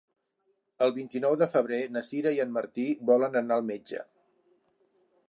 El vint-i-nou de febrer na Sira i en Martí volen anar al metge.